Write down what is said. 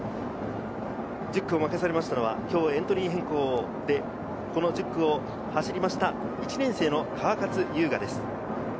１０区を任されたのはエントリー変更で１０区を走った１年生の川勝悠雅です。